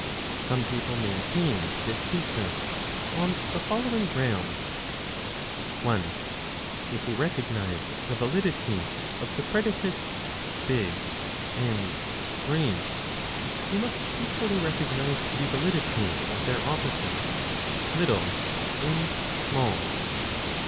Some people maintain this thesis on the following grounds : (i) If we recognize the validity of the predicates big and great , we must equally recognize the validity of their oppo sites, little and small